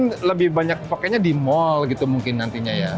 mungkin lebih banyak pakainya di mall gitu mungkin nantinya ya